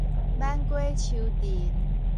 挽瓜揫藤